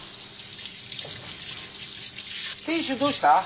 亭主どうした？